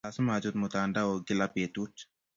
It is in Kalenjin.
Lasima achut mtandao kila petut